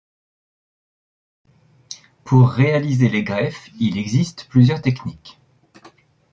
Pour réaliser les greffes, il existe plusieurs techniques.